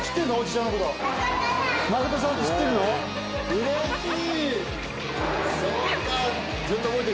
うれちい。